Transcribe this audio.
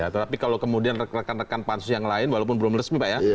tapi kalau kemudian rekan rekan pansus yang lain walaupun belum resmi pak ya